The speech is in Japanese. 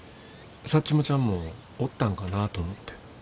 サッチモちゃんもおったんかなと思って。